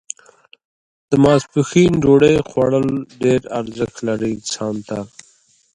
په یوه هیواد کښي د تابیعت شرطونه دوه دي.